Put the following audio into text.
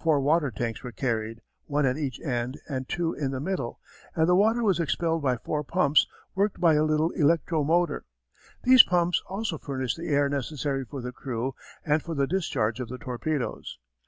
Four water tanks were carried, one at each end and two in the middle, and the water was expelled by four pumps worked by a little electro motor; these pumps also furnished the air necessary for the crew and for the discharge of the torpedoes.